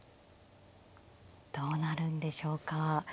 どうなるんでしょうか。